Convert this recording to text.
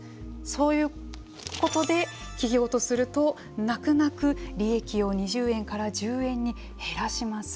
そういうことで企業とすると泣く泣く利益を２０円から１０円に減らします。